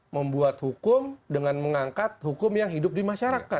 membuat hukum dengan mengangkat hukum yang hidup di masyarakat